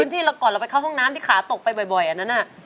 ที่เราก่อนเราไปเข้าห้องน้ำที่ขาตกไปบ่อยอันนั้น